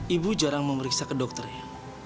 ibu jarang memeriksa ke dokternya